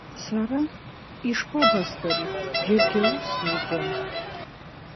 Сара, ишԥабасҳәари, џьаргьы аус зуӡом.